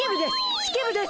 式部です。